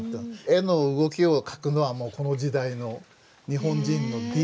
絵の動きを描くのはもうこの時代の日本人のＤＮＡが。